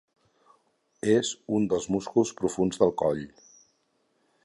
És un dels músculs profunds del coll.